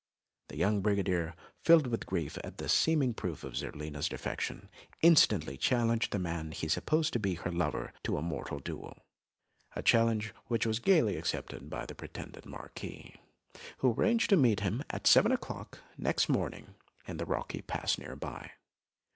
The young brigadier, filled with grief at this seeming proof of Zerlina's defection, instantly challenged the man he supposed to be her lover to a mortal duel, a challenge which was gaily accepted by the pretended Marquis, who arranged to meet him at seven o'clock next morning in a rocky pass near by.